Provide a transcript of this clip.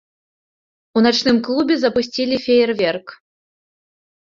У начным клубе запусцілі феерверк.